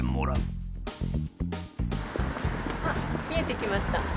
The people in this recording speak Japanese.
あっ見えてきました。